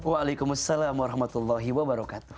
waalaikumsalam warahmatullahi wabarakatuh